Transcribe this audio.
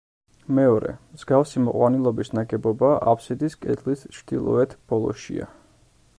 მეორე, მსგავსი მოყვანილობის ნაგებობა აფსიდის კედლის ჩრდილოეთ ბოლოშია.